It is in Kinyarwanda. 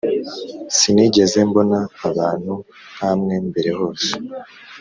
Sinigeze mbona abantu nkamwe mbere hose